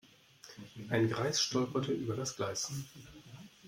Ein Greis stolperte über das Gleis.